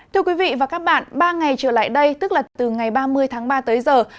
thưa quý vị và các bạn ba ngày trở lại đây tức là từ ngày ba mươi tháng ba tới giờ